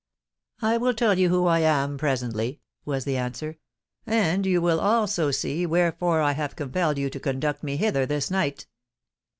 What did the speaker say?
"I will tell you who I am presently," was the answer: "and you will also see wherefore I have compelled you to conduct me hither this night."